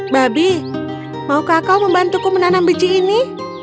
babi maukah kau membantuku menanam biji ini